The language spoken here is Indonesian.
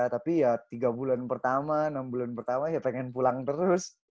tapi ya tiga bulan pertama enam bulan pertama ya pengen pulang terus